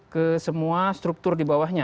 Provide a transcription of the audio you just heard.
ke semua struktur di bawahnya